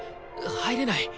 入れない。